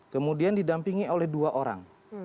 kemudian didampingi oleh dua orang